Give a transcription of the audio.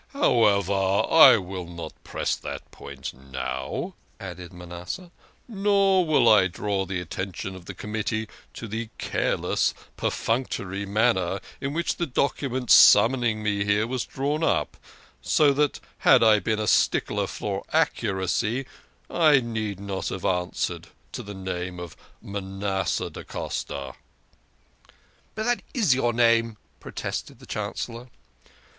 " However, I will not press that point now," added Manasseh, " nor will I draw the attention of the committee to the careless, per functory manner in which the document summoning me was drawn up, so that, had I been a stickler for accuracy, I need not have answered to the name of Manasseh da Costa." " But that is your name," protested the Chancellor.